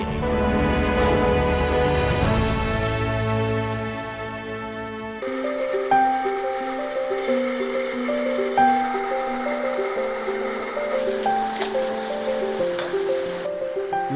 ternyata hidup itu tidak hanya kita berpikir untuk diri sendiri